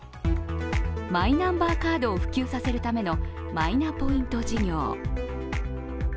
マイナンバーカードを普及させるためのマイナポイント事業。